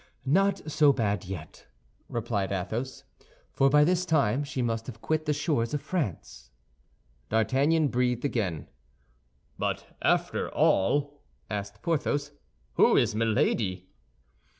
"Not so bad yet," replied Athos; "for by this time she must have quit the shores of France." D'Artagnan breathed again. "But after all," asked Porthos, "who is Milady?"